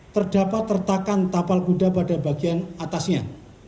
terdapat tertakan tapal bunda pada bagian atasnya